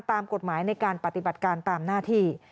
ตามกฎหมายในการปฏิบัติการตามหน้าที่